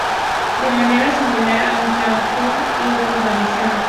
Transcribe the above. De manera similar a un flap Gurney u otras variaciones.